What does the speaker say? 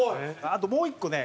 あともう１個ね